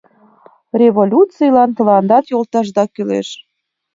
Революцийлан тыландат йолташда кӱлеш.